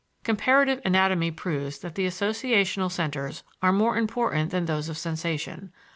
Comparative anatomy proves that the associational centers are more important than those of sensation.